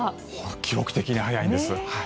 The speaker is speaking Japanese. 記録的に早いです。